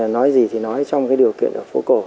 nói gì thì nói trong cái điều kiện ở phố cổ